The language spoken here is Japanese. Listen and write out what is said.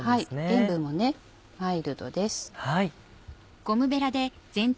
塩分もマイルドです。